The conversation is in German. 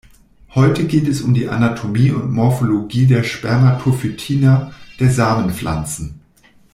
Heute geht es um die Anatomie und Morphologie der Spermatophytina, der Samenpflanzen.